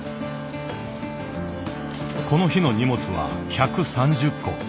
この日の荷物は１３０個。